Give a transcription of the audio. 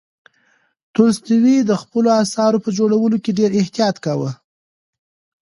تولستوی د خپلو اثارو په جوړولو کې ډېر احتیاط کاوه.